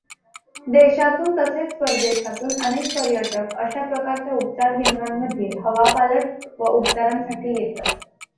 देशातून तसेच परदेशातून अनेक पर्यटक अशा प्रकारच्या उपचार केंद्रांमध्ये हवापालट व उपचारांसाठी येतात.